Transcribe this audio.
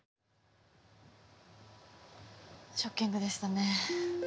ショッキングでしたね。